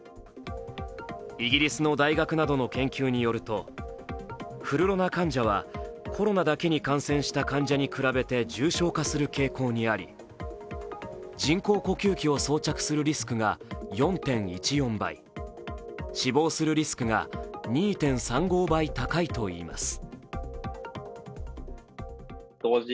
イギリスの大学などの研究によるとフルロナ患者はコロナだけに感染した患者に比べて重症化する傾向にあり人工呼吸器を装着するリスクが４．１４倍、死亡するリスクが２．３５倍高いといいます。